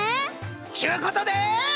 ちゅうことで。